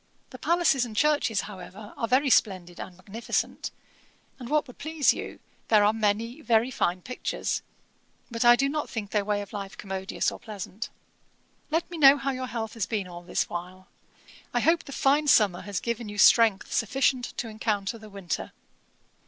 The palaces and churches, however, are very splendid and magnificent; and what would please you, there are many very fine pictures; but I do not think their way of life commodious or pleasant. 'Let me know how your health has been all this while. I hope the fine summer has given you strength sufficient to encounter the winter.